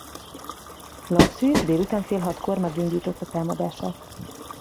Longstreet délután fél hatkor megindította támadását.